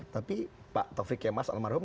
tapi pak taufik kemas almarhum